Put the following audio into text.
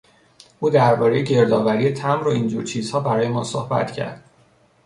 او دربارهی گرد آوری تمبر و این جور چیزها برایمان صحبت کرد.